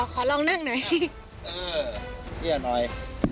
ขอลองนั่งหน่อย